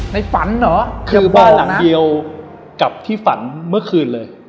ในฝันเหรอคือบ้านหลังเดียวกับที่ฝันเมื่อคืนเลย